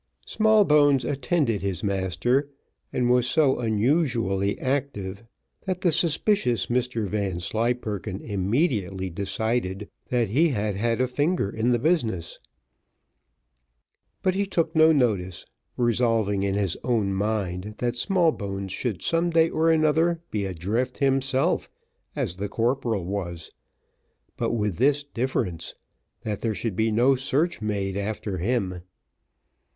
Smallbones attended his master, and was so unusually active that the suspicious Mr Vanslyperken immediately decided that he had had a finger in the business; but he took no notice, resolving in his own mind that Smallbones should some day or another be adrift himself as the corporal was, but with this difference, that there should be no search made after him.